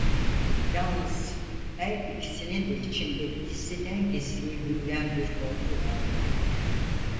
Yalnız her ikisinin de içinde gizliden gizliye büyüyen bir korku vardı: